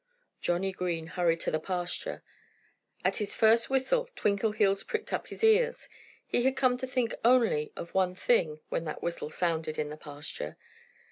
Johnnie Green hurried to the pasture. At his first whistle Twinkleheels pricked up his ears. He had come to think only of one thing when that whistle sounded in the pasture.